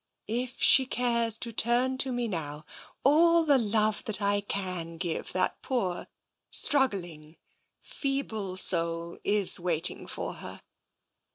... If she cares to turn to me now, all the love that I can give that poor, struggling, feeble soul is waiting for her."